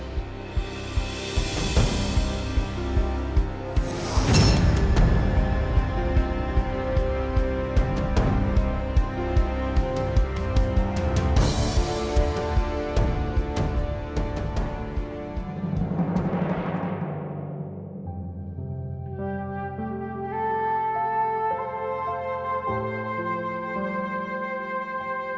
dan adih keharusan